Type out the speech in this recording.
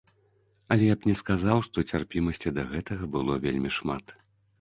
Але я б не сказаў, што цярпімасці да гэтага было вельмі шмат.